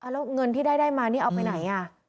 แล้วเงินที่ได้มานี่เอาไปไหน